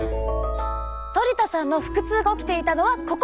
トリ田さんの腹痛が起きていたのはここ！